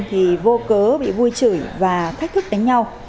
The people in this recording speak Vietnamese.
thì vô cớ bị vui chửi và thách thức đánh nhau